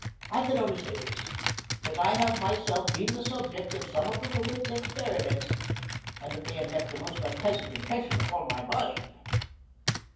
I can only say this: that I have myself been the subject of some of the woman's experiments, and that they have left a most unpleasant impression upon my mind."